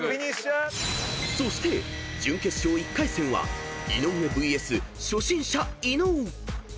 ［そして準決勝１回戦は井上ＶＳ初心者伊野尾］